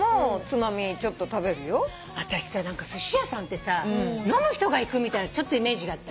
私何かすし屋さんってさ飲む人が行くみたいなちょっとイメージがあった。